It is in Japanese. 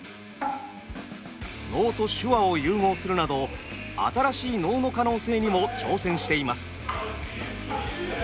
能と手話を融合するなど新しい能の可能性にも挑戦しています。